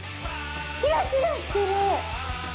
キラキラしてる！